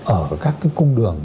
ở các cái cung đường